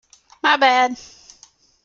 My bad!